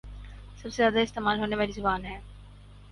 سب سے زیادہ استعمال ہونے والی زبان ہے